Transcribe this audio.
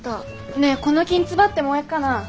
ねえこのきんつばって燃えっかな？